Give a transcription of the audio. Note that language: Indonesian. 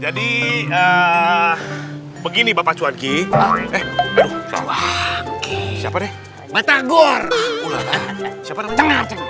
jadi begini bapak cuan ki eh aduh siapa deh batagor ularan siapa namanya cengar cengar